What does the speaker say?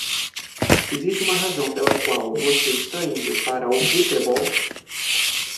Existe uma razão pela qual você está indo para o futebol?